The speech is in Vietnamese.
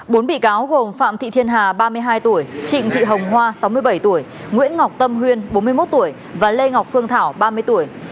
bốn bị cáo gồm phạm thị thiên hà ba mươi hai tuổi trịnh thị hồng hoa sáu mươi bảy tuổi nguyễn ngọc tâm huyên bốn mươi một tuổi và lê ngọc phương thảo ba mươi tuổi